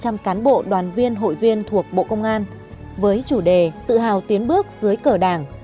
tham gia lễ hội có gần hai năm trăm linh cán bộ đoàn viên hội viên thuộc bộ công an với chủ đề tự hào tiến bước dưới cờ đảng